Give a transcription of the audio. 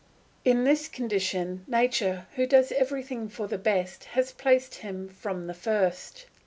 In this condition, nature, who does everything for the best, has placed him from the first.